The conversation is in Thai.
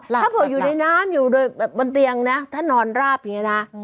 อ๋อถ้าผงอยู่ในน้ำอยู่เลยบนเตียงน่ะถ้านอนราบอย่างเงี้ยนะ